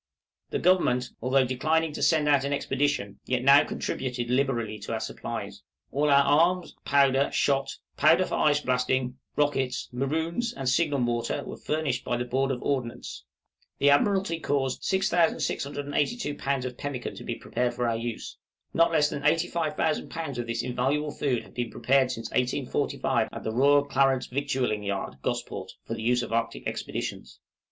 The Government, although declining to send out an expedition, yet now contributed liberally to our supplies. All our arms, powder, shot, powder for ice blasting, rockets, maroons, and signal mortar, were furnished by the Board of Ordnance. The Admiralty caused 6682 lbs. of pemmican to be prepared for our use. Not less than 85,000 lbs. of this invaluable food have been prepared since 1845 at the Royal Clarence Victualing Yard, Gosport, for the use of the Arctic Expeditions.